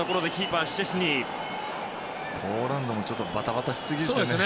ポーランドもバタバタしすぎですね。